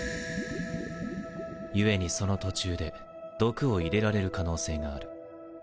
故にその途中で毒を入れられる可能性がある。